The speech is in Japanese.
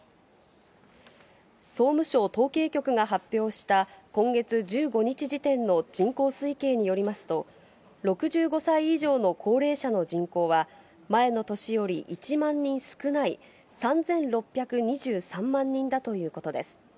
総務省統計局が発表した今月１５日時点の人口推計によりますと、６５歳以上の高齢者の人口は前の年より１万人少ない３６２３万人だということです。